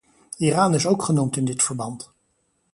Iran is ook genoemd in dit verband.